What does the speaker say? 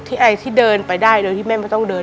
ไอที่เดินไปได้โดยที่แม่ไม่ต้องเดิน